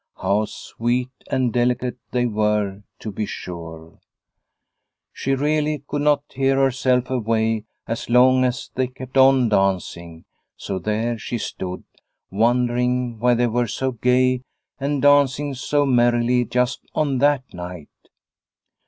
How sweet and delicate they were to be sure ! She really could not tear herself away as long as they kept on dancing, so there she stood, wondering why they were so gay and dancing so merrily just on that night.